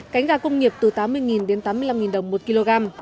cánh gà công nghiệp từ tám mươi đến tám mươi năm đồng một kg